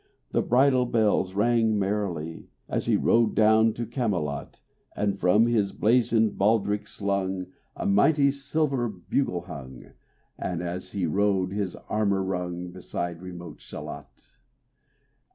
The bridle bells rang merrily As he rode down to Camelot; And from his blazoned baldric slung RAINBOW GOLD A mighty silver bugle hung, And as he rode his armor rung, Beside remote Shalott.